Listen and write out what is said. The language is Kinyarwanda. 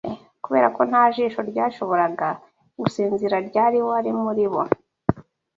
Kuberako nta jisho ryashoboraga gusinzira ryari Wari muri bo,